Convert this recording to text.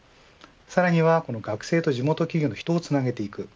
さらには学生と地元企業の人をつなげていく。